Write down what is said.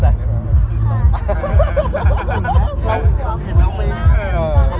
แล้วถึงวันนี้นะ